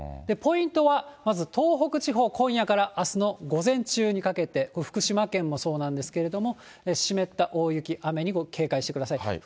ポイントは、まず東北地方、今夜からあすの午前中にかけて、福島県もそうなんですけど、湿った大雪、雨に警戒してください。